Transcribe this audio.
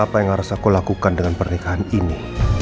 apa yang harus aku lakukan dengan pernikahan ini